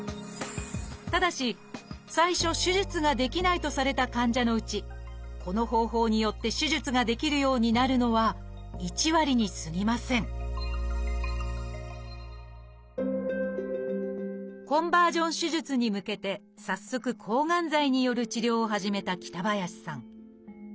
ただし最初手術ができないとされた患者のうちこの方法によって手術ができるようになるのは１割にすぎませんコンバージョン手術に向けて早速抗がん剤による治療を始めた北林さん。